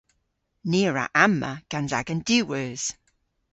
Ni a wra amma gans agan diwweus.